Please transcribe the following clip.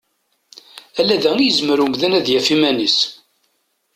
Ala da i yezmer umdan ad yef iman-is.